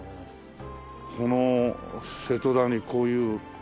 この瀬戸田にこういう。